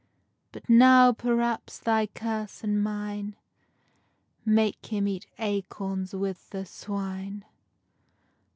But now, perhaps, thy curse and mine Make him eat acorns with the swine.